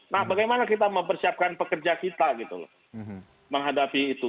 nah bagaimana kita mempersiapkan pekerja kita menghadapi itu